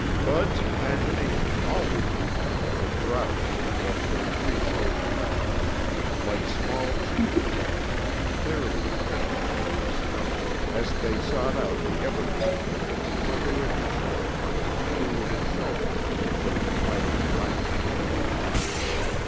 Bud's imagination always returned to the grouse that left their three toed tracks, like small chicken tracks, clearly imprinted in the new snow as they sought out the evergreen thickets where they would be sure of finding food and shelter from the first biting blast of winter.